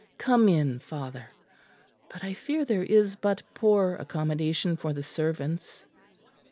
Come in, father. But I fear there is but poor accommodation for the servants."